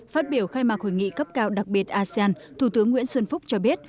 phát biểu khai mạc hội nghị cấp cao đặc biệt asean thủ tướng nguyễn xuân phúc cho biết